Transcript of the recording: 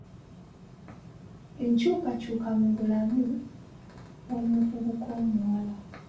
Enkyukakyuka mu bulamu bw'omuvubuka omuwala.